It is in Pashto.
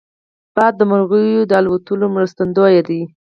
باد د مرغیو د الوت مرستندوی دی